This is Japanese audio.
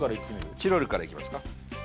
チロルからいきますか？